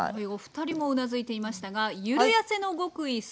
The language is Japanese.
お二人もうなずいていましたがゆるやせの極意